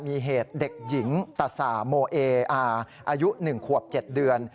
มีเหตุเด็กหญิงตะสาโมเออาอายุ๑ขวบ๗เดือน